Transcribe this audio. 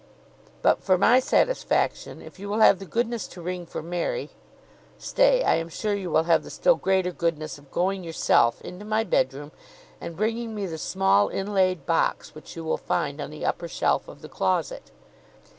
"But for my satisfaction, if you will have the goodness to ring for Mary; stay: I am sure you will have the still greater goodness of going yourself into my bedroom, and bringing me the small inlaid box which you will find on the upper shelf of the closet."